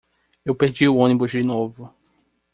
Eu perdi o ônibus de novo